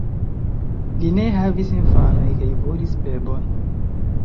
Li ne havis infanoj kaj volis bebon.